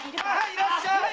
⁉いらっしゃい！